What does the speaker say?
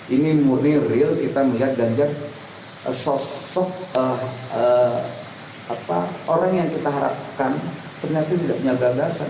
ini murni real kita melihat ganjar sosok orang yang kita harapkan ternyata tidak punya gagasan